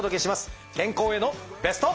健康へのベスト。